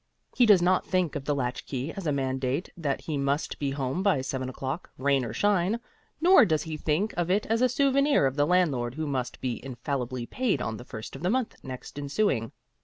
He does not think of the latchkey as a mandate that he must be home by seven o'clock, rain or shine; nor does he think of it as a souvenir of the landlord who must be infallibly paid on the first of the month next ensuing.